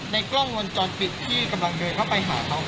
กล้องวงจรปิดที่กำลังเดินเข้าไปหาเขา